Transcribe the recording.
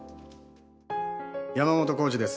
山本耕史です。